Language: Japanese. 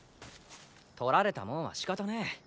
盗られたもんはしかたねェ。